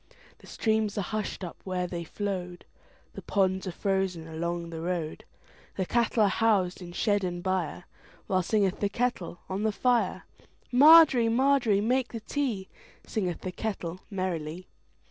The streams are hushed up where they flowed, The ponds are frozen along the road, The cattle are housed in shed and byreWhile singeth the kettle on the fire. Margery, Margery, make the tea, Singeth the kettle merrily.